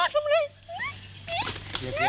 หรือหรอ